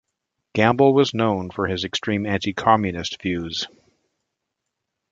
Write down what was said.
Gamble was known for his extreme anti-communist views.